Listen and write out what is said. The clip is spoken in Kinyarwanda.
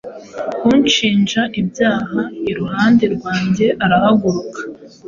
Ushinja ibyaha iruhande rwanjye arahagarara,